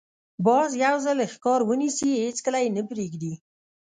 باز یو ځل ښکار ونیسي، هېڅکله یې نه پرېږدي